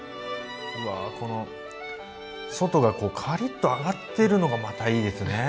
この外がカリッと揚がってるのがまたいいですね。